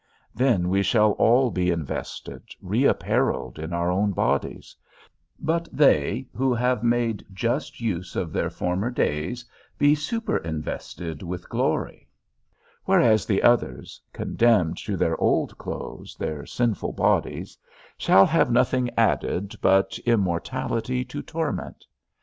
Then we shall all be invested, reapparelled in our own bodies; but they who have made just use of their former days be super invested with glory; whereas the others, condemned to their old clothes, their sinful bodies, shall have nothing added but immortality to torment.